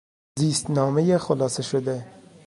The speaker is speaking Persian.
زیستنامهی خلاصه شده